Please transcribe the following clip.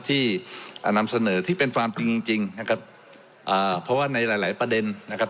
ที่อ่านำเสนอที่เป็นความจริงจริงนะครับอ่าเพราะว่าในหลายหลายประเด็นนะครับ